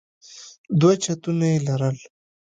دوه چتونه يې لرل.